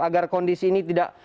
agar kondisi ini tidak